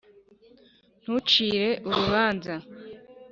ntucire urubanza